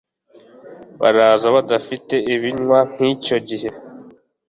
Baraza badafite iminwa nkicyo gihe